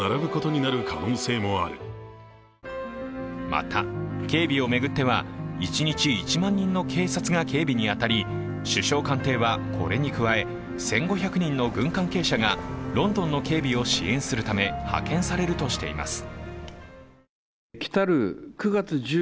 また警備を巡っては、一日１万人の警察が警備に当たり首相官邸は、これに加え１５００人の軍関係者がロンドンの警備を支援するため派遣されるとしています。